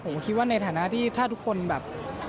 ผมคิดว่าในฐานะที่ถ้าทุกคนแบบ